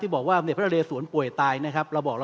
ที่บอกว่าพระเศรษฐ์สวนป่วยตายนะครับ